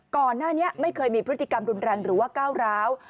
ก่อนหน้านี้ไม่เคยมีพฤติกรรมรุนแรงหรือว่าก้าวร้าว